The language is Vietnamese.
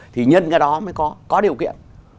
thì nhân cái đó mới có có điều kiện